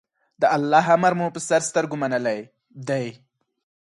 د الله امر مو په سر سترګو منلی دی.